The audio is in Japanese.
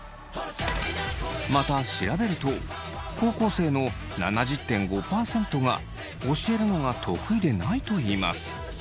また調べると高校生の７０．５％が教えるのが得意でないといいます。